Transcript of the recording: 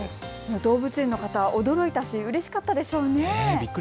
動物園の方、驚いたしうれしかったでしょうね。